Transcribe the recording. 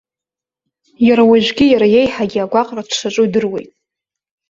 Иарауажәгьы, иара иеиҳагьы агәаҟра дшаҿу идыруеит.